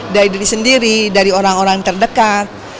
dari diri sendiri dari orang orang terdekat